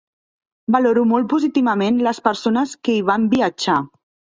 Valoro molt positivament les persones que hi van viatjar.